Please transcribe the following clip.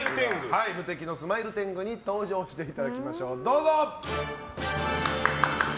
無敵のスマイル天狗に登場していただきましょう。